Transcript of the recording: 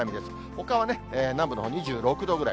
ほかは南部の所２６度くらい。